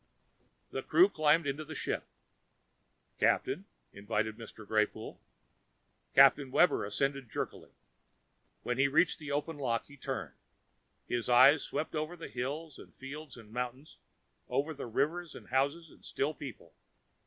The crew climbed into the ship. "Captain," invited Mr. Greypoole. Captain Webber ascended jerkily. When he reached the open lock, he turned. His eyes swept over the hills and fields and mountains, over the rivers and houses and still people.